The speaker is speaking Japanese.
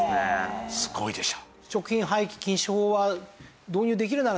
すごいでしょ。